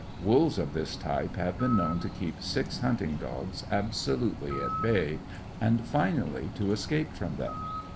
Wolves of this type have been known to keep six hunting dogs absolutely at bay, and finally to escape from them.